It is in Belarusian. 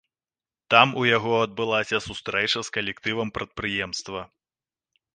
Там у яго адбылася сустрэча з калектывам прадпрыемства.